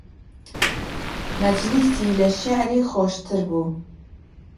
مەجلیسی لە شیعری خۆشتر بوو